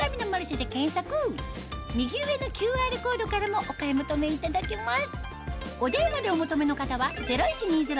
右上のＱＲコードからもお買い求めいただけます